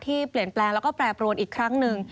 ที่เปลี่ยนแปลงแล้วก็แปรปรวนอีกครั้งหนึ่ง